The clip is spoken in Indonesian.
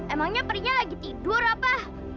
emangnya perinya lagi tidur apa